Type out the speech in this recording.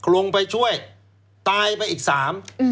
ลงไปช่วยตายไปอีกสาม